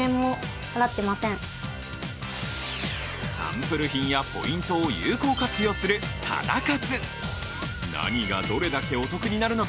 サンプル品やポイントを有効活用するタダ活。